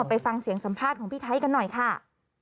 ไปฟังเสียงสัมภาษณ์ของพี่ไทยกันหน่อยค่ะ